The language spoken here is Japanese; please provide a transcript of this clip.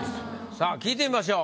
さあ聞いてみましょう。